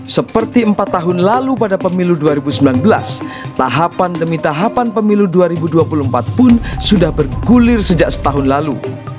seperti empat tahun lalu pada pemilu dua ribu sembilan belas tahapan demi tahapan pemilu dua ribu dua puluh empat pun sudah bergulir sejak setahun lalu